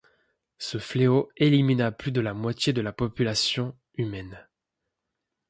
Ce Fléau élimina plus de la moitié de la population humaine.